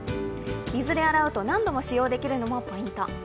水で洗うと何度も使用できるのもポイント。